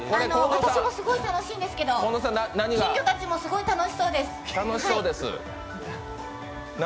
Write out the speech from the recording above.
私もすごい楽しいんですけど、金魚たちもすごい楽しそうです。